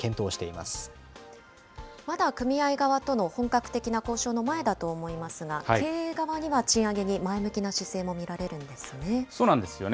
まだ組合側との本格的な交渉の前だと思いますが、経営側には賃上げに前向きな姿勢も見られるんですね。